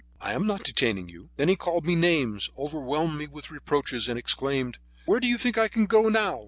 I am not detaining you." Then he called me names, overwhelmed me with reproaches, and exclaimed: "Where do you think I can go now?